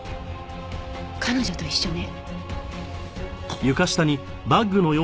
彼女と一緒ね。